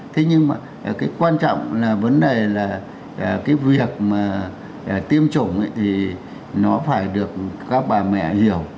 thế nhưng mà cái quan trọng là vấn đề là cái việc mà tiêm chủng thì nó phải được các bà mẹ hiểu